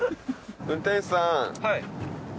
運転手さん。